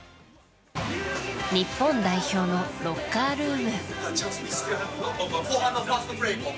日本代表のロッカールーム。